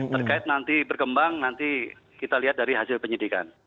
terkait nanti berkembang nanti kita lihat dari hasil penyidikan